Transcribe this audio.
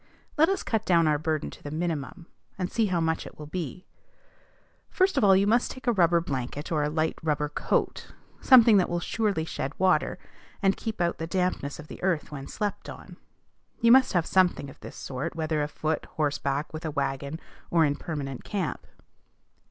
Let us cut down our burden to the minimum, and see how much it will be. First of all, you must take a rubber blanket or a light rubber coat, something that will surely shed water, and keep out the dampness of the earth when slept on. You must have something of this sort, whether afoot, horseback, with a wagon, or in permanent camp.